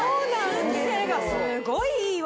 通気性がすごいいいわ！